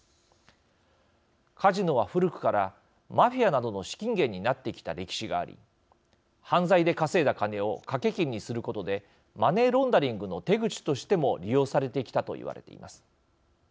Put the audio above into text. カジノは古くからマフィアなどの資金源になってきた歴史があり犯罪で稼いだ金を掛け金にすることでマネーロンダリングの手口としても利用されてきたといわれています。